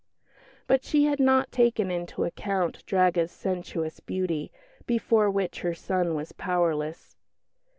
But she had not taken into account Draga's sensuous beauty, before which her son was powerless.